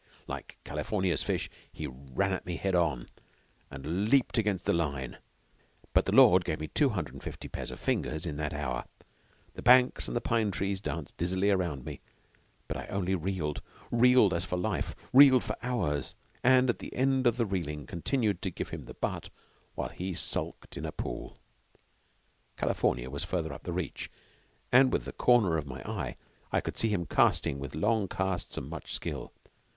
Like California's fish, he ran at me head on, and leaped against the line, but the Lord gave me two hundred and fifty pairs of fingers in that hour. The banks and the pine trees danced dizzily round me, but I only reeled reeled as for life reeled for hours, and at the end of the reeling continued to give him the butt while he sulked in a pool. California was further up the reach, and with the corner of my eye I could see him casting with long casts and much skill.